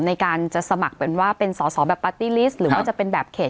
ในการจะสมัครเป็นว่าเป็นสอสอแบบปาร์ตี้ลิสต์หรือว่าจะเป็นแบบเขต